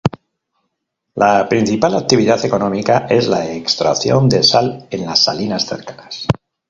La principal actividad económica es la extracción de sal en las salinas cercanas.